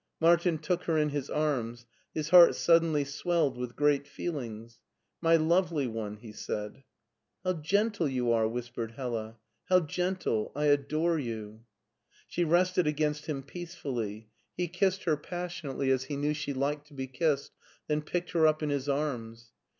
Martin took her in his arms; his heart suddenly swelled with great feelings. My lovely one/' he said. *' How gentle you are/' whi^)ered Hella. " How gentle! I adore you." She rested against him peacefully. He kissed her LEIPSIC 157 passionately as he knew she liked to be kissed, then picked her up in his arms.